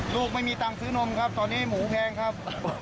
ลูกไม่มีตังค์ซื้อนมครับตอนนี้หมูแพงครับ